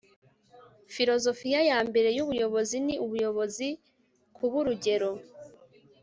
filozofiya yanjye ya mbere yubuyobozi ni ubuyobozi kuburugero